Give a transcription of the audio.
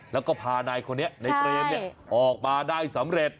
แล้วก็พานายคนนี้นายเปรมออกมาได้สำเร็จ